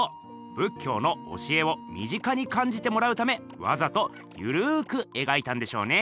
仏教の教えを身近に感じてもらうためわざとゆるくえがいたんでしょうね。